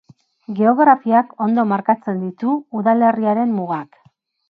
Geografiak ondo markatzen ditu udalerriaren mugak.